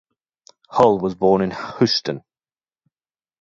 Hull was born in Houston.